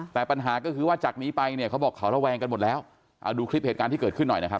แต่ปัญหาก็คือว่าจากนี้ไปเนี่ยเขาบอกเขาระแวงกันหมดแล้วเอาดูคลิปเหตุการณ์ที่เกิดขึ้นหน่อยนะครับ